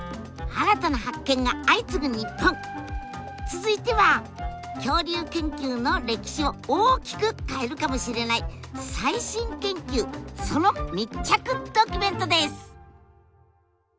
続いては恐竜研究の歴史を大きく変えるかもしれない最新研究その密着ドキュメントです！